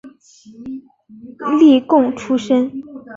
例贡出身。